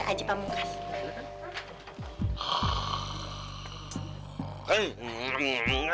ih maunya mendongket